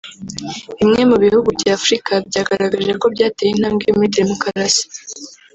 Bimwe mu bihugu bya Afurika byagaragaje ko byateye intambwe muri demokarasi